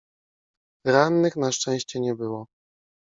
Rannych na szczęście nie było.